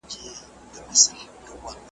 بل جهان بل به نظام وي چي پوهېږو .